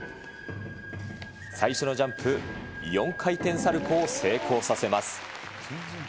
最初のジャンプ、４回転サルコーを成功させます。